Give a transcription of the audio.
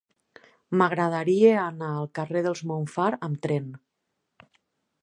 M'agradaria anar al carrer dels Montfar amb tren.